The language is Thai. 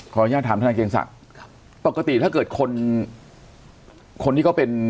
อนุญาตถามธนายเกรงศักดิ์ปกติถ้าเกิดคนคนที่เขาเป็น